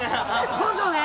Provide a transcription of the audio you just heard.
根性ね！